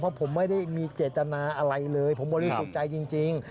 เพราะผมไม่ได้มีเจตนาอะไรเลยผมบริสุทธิ์ใจจริง